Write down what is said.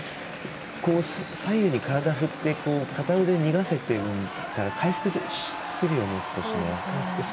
左右に体を振って片腕を逃がせてるから回復するよね、少しね。